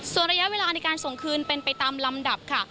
ส่วนระยะเวลาในการส่งคืนเป็นไปตามลำดับค่ะ